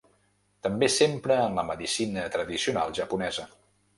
També s'empra en la medicina tradicional japonesa.